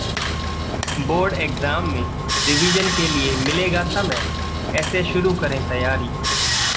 board exam में revision के लिए मिलेगा समय, ऐसे शुरू करें तैयारी